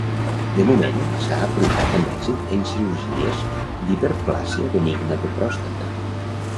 De moment, s'ha aplicat amb èxit en cirurgies d'hiperplàsia benigna de pròstata.